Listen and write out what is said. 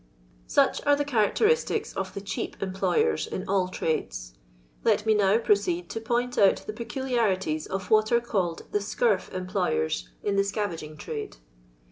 Such are the characteristics of the cheap em ployers in all trades. Let me now proceed to point out the peculiarities of wiut are called the •cnrf employers in the scavaging trade.